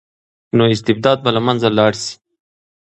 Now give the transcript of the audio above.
نو استبداد به له منځه لاړ شي.